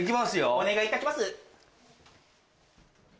お願いいたします。